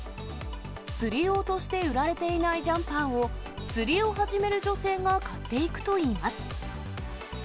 釣り用として売られていないジャンパーを、釣りを始める女性が買っていくといいます。